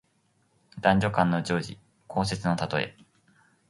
男女間の情事、交接のたとえ。